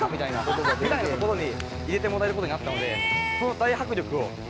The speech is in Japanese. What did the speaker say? ぐらいの所に入れてもらえることになったので。